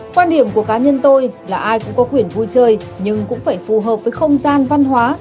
quan điểm của cá nhân tôi là ai cũng có quyền vui chơi nhưng cũng phải phù hợp với không gian văn hóa